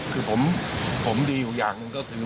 คือผมดีอยู่อย่างหนึ่งก็คือ